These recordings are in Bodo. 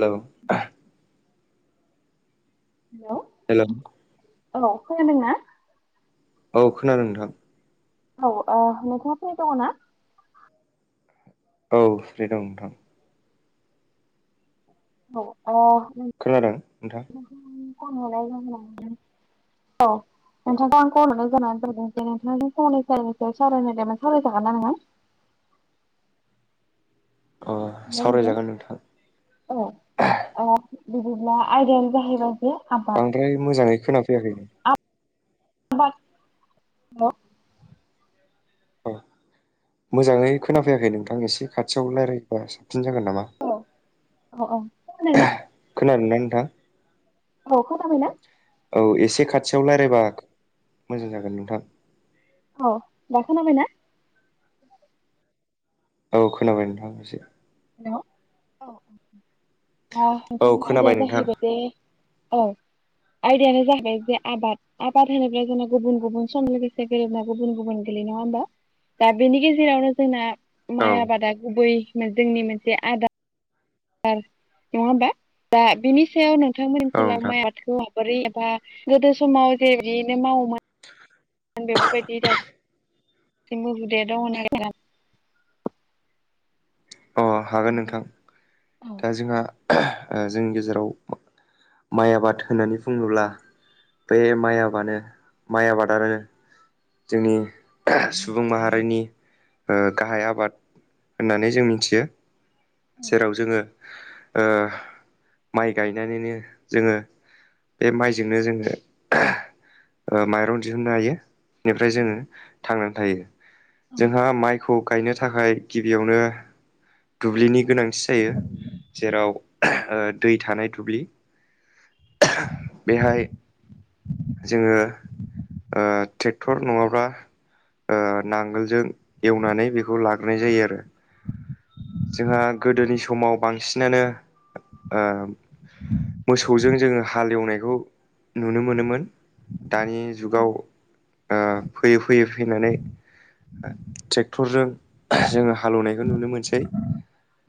हेलौ हेल' हेल' औ खैादोंना औ खोनादों नोंथां औ ओ नोंथाङा फैनाय दङ ना औ फ्रि दं नोंथां औ अ खोनादों नोंथाङा [unintelligible] औ नोंथांखौ आं कनरनो जोनानानै जादों जे नोंथाङा जों फंनि सनि सायाव सावरायनायायमोन सावरायजागोन ना आङो अ सावरायजागोन नोंथां। अ अ बिदिब्ला आइदायानो जाहैबा जे आ ओमफ्राय मोजाङै खोनाफैयाखै आबाद औ मोजाङै खोनाफैयाखै नोंथां एसे खाथियाव रायजलायबा साबसिन जागोन नामा? अ अ खनाबाय ना खोनादों ना नोंथां औ खनाबायना औ एसे खाथियाव रायज्लायबा मोजां जागोन नोंथां? अ दाखौ नाबायना? औ खोनाबाय नोंथां एसे। औ औ आदाया खोनाबाय नोंथां जाहैबाय जे औ आयदायानो जाहैबाय जे आबाद आबाद होनोबब्ला जोंना गुबुन गुबुन सम लोगोसे गेलेना गुबुन गुबुन गेलेयो नङा होमबा दा बेनि गेजेरावनो जोंना औ माइ आबादा गुबै जोंनि मोनसे आदार नङा होमबा दा बिनि सायाव नोंथांमोन औ ओनसोलाव नोंथां माइ आ बोरै एबा गोदो समाव जे बिनो मावो दं बेबोबायदि दासिमबो [unintelligible] अ हागोन नोंथां दा जोंहा जोंनि गेजेराव माइ आबाद होननानै बुङोब्ला बे माइ आबानो माइ आबादानो जोंनि सुबुं माहारिनि गाहाय आबाद होननानै जों मिथियो जेराव जोङो ओ माइ गायनानैनो जोङो बे माइजोंनो जोङो माइरं दिहुननो हायो। निफ्राय जोङो थांनानै थायो जोंहा माइखौ गायनो थाखाय गिबियावनो दुब्लिनि गोनांथि जायो जेराव दै थानाय दुब्लि बेहाय जोङो ओ ट्रेक्टर नङाब्ला नांगोलजों एवनानै बेखौ लाग्रोनाय जायो आरो। जोंहा गोदोनि समाव बांसिनानो मोसौजों जोङो हालेवनायखौ नुनो मोनोमोन। दानि जुगाव ओ फैयै फैयै फैनानै ट्रेक्टरजों जोङो हालेवनायखौ नुनो मोनसै।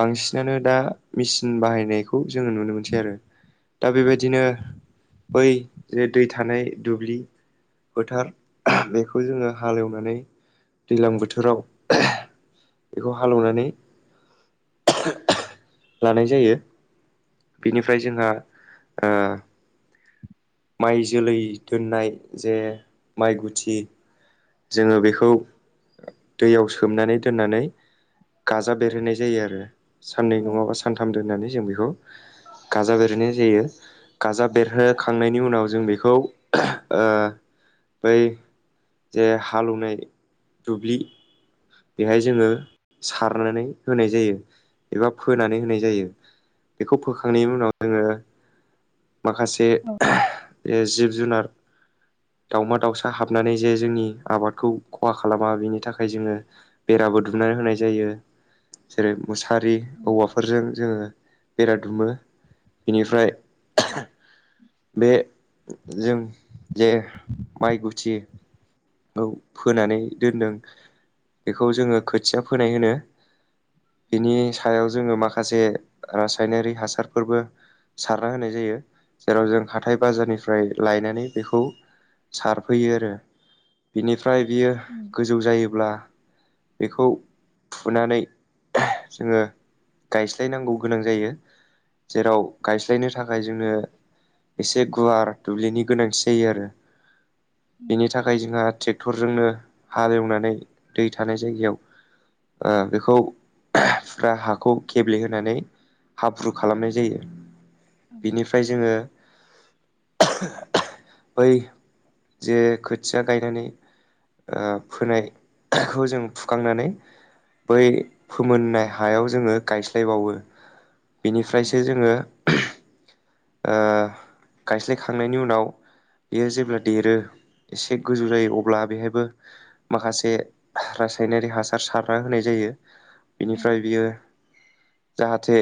बांसिनानो दा मेसिन बाहायनायखौ जोङो नुनो मोनसै आरो। दा बेबायदिनो बै जे दै थानाय दुब्लि फोथार बेखौ जोङो हालेवनानै दैज्लां बोथोराव बेखौ हालौवनानै लानाय जायो। बिनिफ्राय जोंहा ओ माइ जोलै दोननाय जे माइ गुथि जोङो बेखौ दैयाव सोमनानै दोननानै गाजा बेरहोनाय जायो आरो साननै नङाबा सानथाम दोननानै जों बेखौ गाजा बेरोनाय जायो। गाजा बेरहोखांनायनि उनाव जों बेखौ ओ बै जे हालौवनाय दुब्लि बेहाय जोङो सारनानै होनाय जायो एबा फोनानै होनाय जायो। बेखौ फोखांनायनि उनाव जोङो माखासे जिब जुनार दावमा दाउसा हाबनानै जे जोंनि आबादखौ खहा खालामा बिनि थाखाय जोङो बेराबो दुमनानै होनाय जायो जेरै मुसारि औवाफोरजों जोङो बेरा दुमो बेनिफ्राय बे जों जे माइ गुथि औ फोनानै दोन्दों बेखौ जोङो खोथिया फोनाय होनो। बिनि सायाव जोङो माखासे रासायनारि हासारफोरबो सारना होनाय जायो जेराव जों हाथाय बाजारनिफ्राय लायनानै बेखौ सारफैयो आरो। बिनिफ्राय बियो गोजौ जायोब्ला बेखौ फुनानै जोङो गायस्लायनांगौ गोनां जायो। जेराव गायस्लायनो थाखाय जोङो एसे एसे गुवार दुब्लिनि गोनांथि जायो आरो बेनि थाखाय जोंहा ट्रेक्टरजोंनो हालेवनानै दै थानाय जायगायाव ओ बेखौ फुरा हाखौ गेब्लेहोनानै हाब्रु खालामनाय जायो बेनिफ्राय जोङो [unintelligible] बै जे खोथिया गायनानै ओ फोनायखौ जों फुखांनानै बै फोमोननाय हायाव जोङो गायस्लायबावो बेनिफ्रायसो जोङो ओ गायस्लायखांनायनि उनाव बेयो जेब्ला देरो एसे गोजौ जायो अब अब्ला बेहायबो माखासे रासायनारिक हासार सारना होनाय जायो। बिनिफ्राय बियो जाहाथे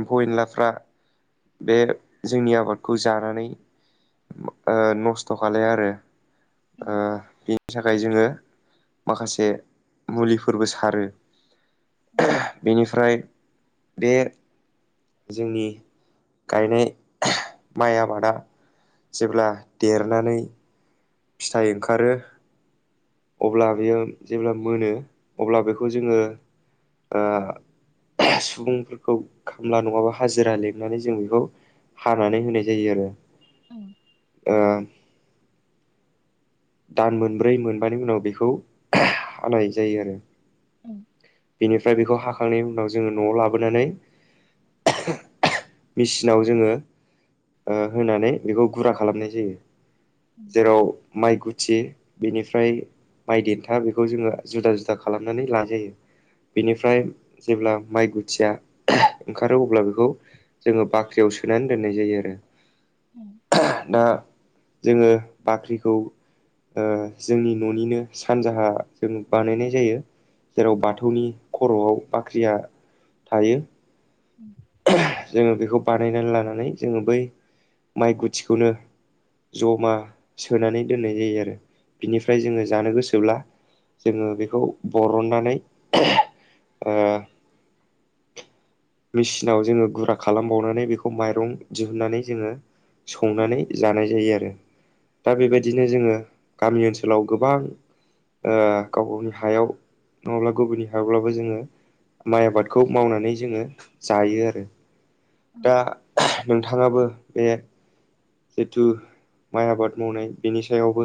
एम्फौ एनलाफ्रा बे जोंनि आबादखौ जानानै नस्थ' खालाया आरो बिनि थाखाय जोङो माखासे मुलिफोरबो सारो। बेनिफ्राय बे जोंनि गायनाय [unintelligible] माइ आबादा जेब्ला देरनानै फिथाइ ओंखारो अब्ला बियो जेब्ला मोनो अब्ला बेखौ जोङो ओ [unintelligible] सुबुंफोरखौ खामला नङाबा हाजिरा लिंनानै जों बेखौ हानानै होनाय जायो आरो ओं ओम दान मोनब्रै मोनबानि उनाव बेखौ [unintelligible] हानाय जायो आरो उम बेनिफ्राय बेखौ हाखांनायनि उनाव जोङो न'आव लाबोनानै [unintelligible] मिसिनाव जोङो ओ होनानै बेखौ गुरा खालामनाय जायो जेराव माइ गुथ थि बेनिफ्राय माइ देन्था बेखौ जोङो जुदा जुदा खालामनानै लाजायो बिनिफ्राय जेब्ला माइ गुथिया ओंखारो अब्ला बेखौ जोङो बाख्रियाव सोनानै दोननाय जायो आरो उम ना जोङो बाख्रिखौ ओ जोंनि न'निनो सानजाहा जों बानायनाय जायो जेराव बाथौ थौनि अ'आव बाख्रिया थायो उम जोङो बेखौ बानायनानै लानानै जोङो बै माइ गुथिखौनो जमा सोनानै दोननाय जायो आरो बिनिफ्राय जोङो जानो गोसोब्ला जोङो बेखौ बरननानै [unintelligible] ओ मेसिनाव जोङो गुरा खालामबावनानै बेखौ माइरं दिहुननानै जोङो संनानै जानाय जायो आरो दा बेबायदिनो जोङो गामि ओनसोलाव गोबां ओ गाव गावनि हायाव नङाब्ला गुबुननि हायावब्लाबो जोङो माइ आबादखौ मावनानै जोङो जायो आरो दा नों थाङाबो बे जिथु माइ आबाद मावनाय बेनि सायावबो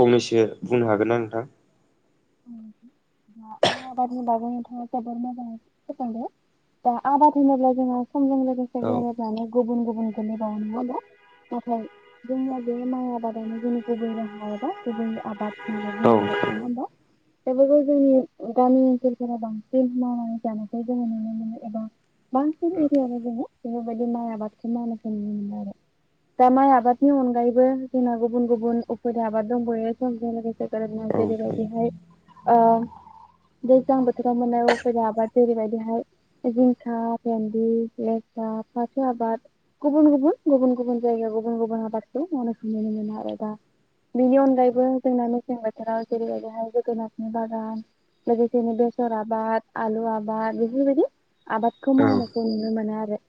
फंनैसो बुंनो हागोन ना नोंथां? उम मा माय आबादनि बागै नोंथांआ जोबोद मोजाङै फोथायदो दा आबाद होनोब्ला जोङो समजों लोगोसे औ गोरोब्लानो गुबुन गुबुन गोलैबावो नङा ओमबा नाथाय जोंना बे माइ आबादानो जोंनि गुबै राहा एबा गुबै आबाद औ [unintelligible] बेफोरखौ जोंनि गामि ओनसोलफोरा बांसिन मावनानै जानायखौ जोङो नुनो मोनो एबा बांसिन एरियावनो जोङो बेफोरबादि माय आबादखौ मावनायखौ नुनो‌मोनो आरो दा माइ आबादनि अनगायैबो जोंना गुबुन गुबुन उफोरा आबाद दंबावो समजों लोगोसे [unintelligible] जेरैबायदिहाय ओम दैज्लां बोथोराव मोननाय उफेरा आबाद जेरैबायदिहाय जिंखा भेनदि लेस्रा फाथो आबाद गुबुन गुबुन गुबुन गुबुन जायगा गुबुन गुबुन आबादखौ मावनायखौ नुनो मोनो‌ आरो दा बेनि अनगायैबो जोंना मेसें बोथोराव जेरैबायहाय जोगोनार नि बागान लोगोसे लोगोसे बेसर आबाद आलु आबाद बिफोरबायदि आबाद बेखौ औ मावनायखौ नुनो मोनो आरो।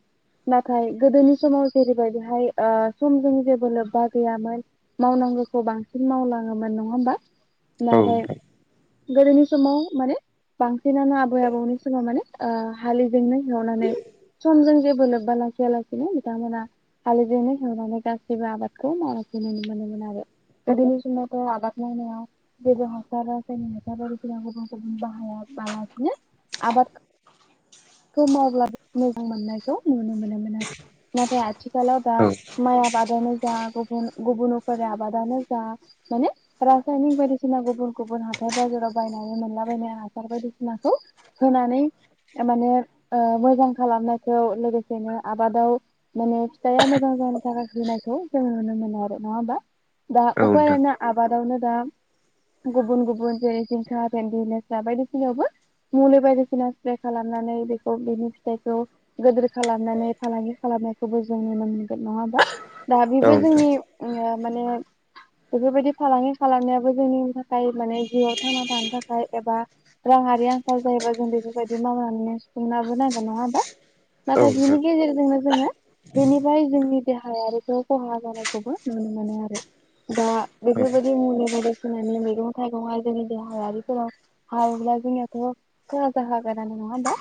नाथाय गोदोनि समाव जेरैबायदिहाय ओ समजों जेबो लोब्बा गैयामोन मावनांगौखौ बांसिन मावलाङोमोन नङा होमबा नाथाय नोंथां गोदोनि समाव माने बांसिनानो आबै आबौनि समाव माने ओ हालिजोंनो हेवनानै समजों जेबो लोब्बा लाखिया लासैनो बिथांमोना हालिजोंनो सावनानै गासैबो आबादखौ मावखौै नुनो मोनोमोन आरो। गोदोनि समावथ' आबाद मावनाय जेबो हासार जोंनि मैथाबारि फोराव गुबुन गुबुन बाहाया बालासि आबाद खौ मावब्ला मोजां मोननायखौ नुनो मोनोमोन आरो नाथाय आथिखालाव दा औ माइ आबादानो जा गुबुन गुबुनफोर आबादानो जा माने रासायनिक बायदिसिना गुबुन गुबुन हा हाथाय बाजाराव बायनानै मोनलाबायनाय हासार बायदिसिनाखौ होनानै थारमाने ओ मोजां खालामनायखौ लोगोसेनो आबादाव माने फिथाइआ मोजां जानो थाखाय होनायखौ जों नुनो मोनो आरो नङा होमबा? दा औ नोंथां उफायना आबादावनो दा गुबुन गुबुन गुनद्रि जिंखा भिन्दि लेस्रा बायदिसिनायावबो मुलि बायदिसिना स्प्रे खालामनानै बेखौ बिनि फिथाइखौ गोदोर खालामनानै फालांगि खालामनायखौबो जों नुनो मोनगोन नङा होमबा? दा औ बेबो जोंनि नोंथां ओ माने बेफोरबायदि फालांगि खालामनायाबो जोंनि थाखाय माने जिउआव थांना थानो थाखाय एबा राङारि आंखाल जायोबा जों बेफोरबायदि मावनानै सुफुंनाबोनांगोन नङा होमबा? औ नाथाय बिनि गेजेरजोंनो जोङो बेनिफ्राय जोंनि देहायारिखौ खहा जानायखौबो नुनो मोनो आरो। दा बेफोरबायदि मुलि बायदिसिनानि मैगं थाइगंआ जेरै देहायारिफोराव हाबोब्ला जोंनियाथ' खहा जाखागानानो नङा होमबा?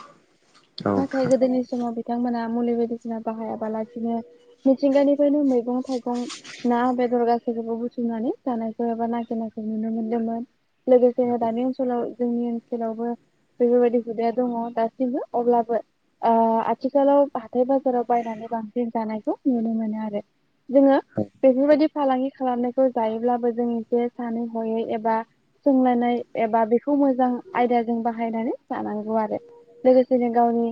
नोंथां औ नाथाय गोदोनि समाव बिथांमोना मुलि बायदिसिना बाहायाबालासिनो मिथिंगानिफ्रायनो मैगं थाइगं ना बेदर गासैखौबो बुथुमनानै जानायखौ एबा नागिरनायखौ नुनो मोन्दोंमोन। लोगोसेनो दानि ओनसोलाव जोंनि ओनसोलावबो बेफोरबायदि हुदाया दङ दासिमबो अब्लाबो आह आथिखालाव हाथाय बाजाराव बायनानै बांसिन जानायखौ नुनो मोनो आरो। जोङो बेफोरबायदि फालांगि खालामनायखौ जायोब्लाबो जों एसे सानै हयै एबा सोंलायनाय एबा बेखौ मोजां आयदाजों बाहायनानै लानांगौ आरो। लोगोसे जों गावनि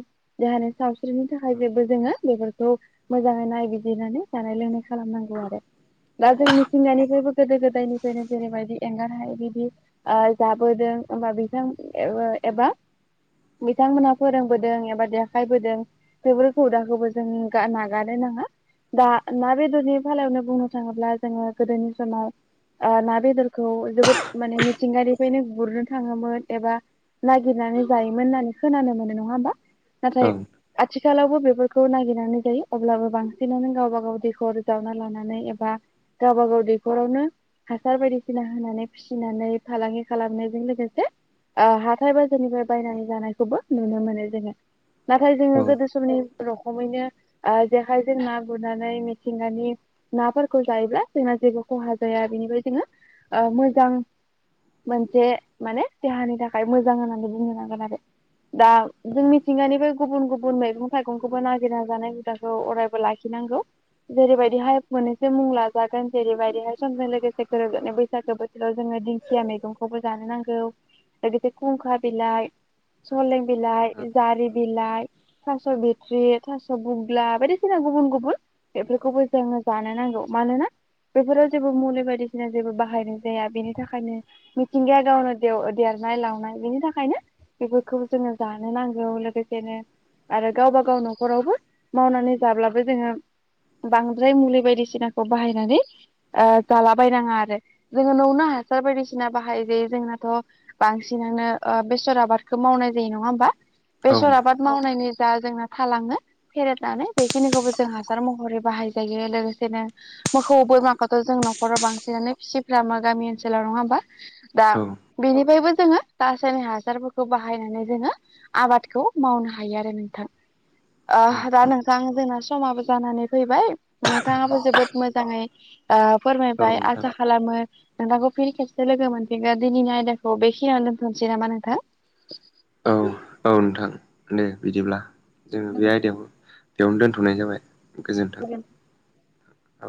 देहानि सावस्रिनि थाखाय जेबो जोङो बेफोरखौ मोजाङै नायबिजिरनानै जानाय लोंनाय खालामनांगौ आरो। दा जों मिथिंगानिफ्रायबो गोदो गोदायनिफ्रायनो जेरैबायदि एंगार हायै बि आ जाबोदों होमबा बिथां एबा एबा बिथांमोनहा फोरोंबोदों एबा देखायबोदों। बेफोर हुदाखौबो जों गा नागारनो नाङा। दा ना बेदरनि फालायावनो बुंनो थाङोब्ला जोङो गोदोनि समाव आ ना बेदरखौ जोबोद माने मिथिंगानिफ्रायनो गुरनो थाङोमोन एबा नागिरनानै जायोमोन होननानै खोनानो मोनो नङा होमबा नाथाय आथिखालावबो बेफोरखौ नागिरनानै जायो अब्लाबो बांसिनानो गावबा गाव दैखर जावना लानानै एबा गावबा गाव दैखरावनो हासार बायदिसिना होनानै फिसिनानै फालांगि खालामनायजों लोगोसे आ हाथाय बाजारनिफ्राय बायनानै जानायखौबो नुनो मोनो जोङो नाथाय जोङो गोदो समनि रखमैनो ओ जेखायजों ना गुरनानै मिथिंगानि नाफोरखौ जायोब्ला जोंना जेबो खहा जाया बेनिफ्राय जोङो ओ मो मोजां मोनसे माने देहानि थाखाय मोजां होननानै बुंनो नांगोन आरो दा जों मिथिंगानिबो गुबुन गुबुन मैगं थाइगंखौबो नागिरना जानाय हुदाखौ अरायबो लाखिनांगौ। जेरैबायदिहाय मोननैसो मुं लाजागोन जेरैबायदिहाय समजों लोगोसे गोरोबोनाय बैसागो बो ओ जोङो दिंखिया मैगंखौबो जानो नांगो लोगोसे खुंखा बिलाइ सलें बिलाइ जारि बिलाइ थास' बिथ्रि थास' बुग्ला बायदिसिना गुबुन गुबुन बेफोरखौबो जोङो जानो नांगौ मानोना बेफोराव जेबो मुलि बायदिसिना जेबो बाहायनाय जाया बेनि थाखायनो मिथिंगाया गावनो देव देरनाय लावनाय बेनि थाखायनो बेफोरखौबो जोङो जानो नांगौ लोगोसेनो आरो गावबा गाव न'खरावबो मावनानै जाब्लाबो जोङो बांद्राय मुलि बायदिसिनाखौ बाहायनानै ओ जालाबायनाङा आरो जोङो नौनो हासार बायदिसिना बाहायो जायो जोंनाथ' बांसिनानो ओ बेसर आबादखौ मावनाय जायो नङा होमबा बेसर आबाद मावनायनि जा जोंना थालाङो फेरेदनानै बेखिनिखौबो जों हासार महरै बाहाय जायो लोगोसेनो मोखौ बोरमाखौथ' जों नखराव बांसिनानो गामा गामि ओनसोलाव नङा होमबा दा बेनि बेबो जोङो रासायनि हासारफोरखौ बाहायनानै जोङो आबादखौ मावनो हायो आरो नोंथां ओ दा नोंथां जोंना समाबो जानानै फैबाय नोंथाङाबो जोबोद मोजाङै ओ औ फोरमायबाय आसा औ खालाम नोंथांखौ फिन खेबसे लोगो मोनफिगोन दिनैनि आयदाखौ बेखिनियाव दोनथ'नोसै नामा नोंथां औ नोंथां औ औ नोंथां दे बिदिब्ला जोङो बे गोजोनथों आयदायाव बेयावनो दोनथ'नाय जाबाय गोजोन्थों औ